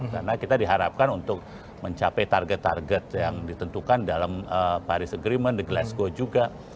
karena kita diharapkan untuk mencapai target target yang ditentukan dalam paris agreement the glasgow juga